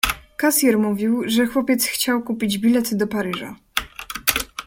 Kasjer mówił, że chłopiec chciał kupić bilet do Paryża.